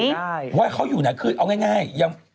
เพราะว่าเขาอยู่น่ะคือเอาง่ายยัง